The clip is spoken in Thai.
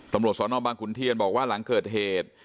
ตำรวจสนบางขุนเทียนบอกว่าหลังเกิดเหตุ